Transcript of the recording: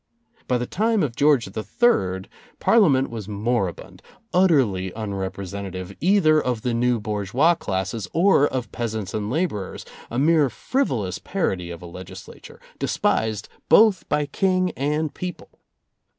By the time of George III Parliament was moribund, utterly unrepresenta tive either of the new bourgeois classes or of peasants and laborers, a mere frivolous parody of a legislature, despised both by King and people.